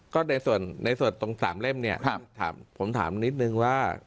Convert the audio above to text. ก็ในส่วนในส่วนตรง๓เล่มเนี่ยผมถามนิดนึงว่า